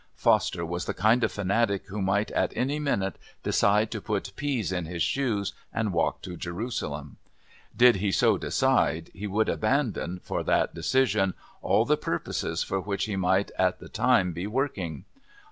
Foster was the kind of fanatic who might at any minute decide to put peas in his shoes and walk to Jerusalem; did he so decide, he would abandon, for that decision, all the purposes for which he might at the time be working.